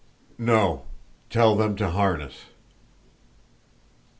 "No, tell them to harness."